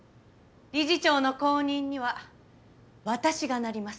理事長の後任には私がなります。